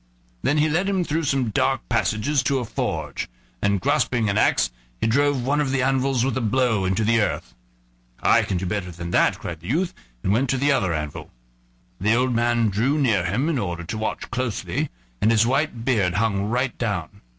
Then he led him through some dark passages to a forge, and grasping an axe he drove one of the anvils with a blow into the earth. "I can do better than that," cried the youth, and went to the other anvil. The old man drew near him in order to watch closely, and his white beard hung right down.